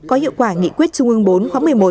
có hiệu quả nghị quyết trung ương bốn khóa một mươi một